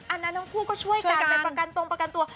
อันนั้นน้องผู้ก็ช่วยกันเป็นประกันตรงประกันตัว